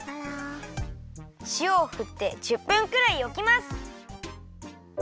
しおをふって１０分くらいおきます。